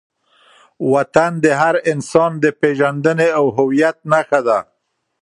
وطن د هر انسان د پېژندنې او هویت نښه ده.